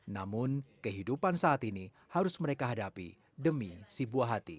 namun kehidupan saat ini harus mereka hadapi demi si buah hati